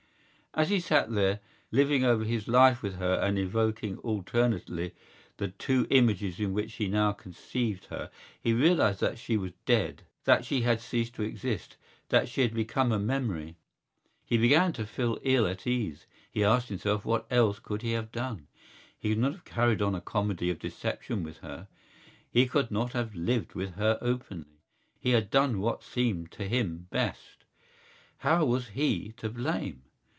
As he sat there, living over his life with her and evoking alternately the two images in which he now conceived her, he realised that she was dead, that she had ceased to exist, that she had become a memory. He began to feel ill at ease. He asked himself what else could he have done. He could not have carried on a comedy of deception with her; he could not have lived with her openly. He had done what seemed to him best. How was he to blame?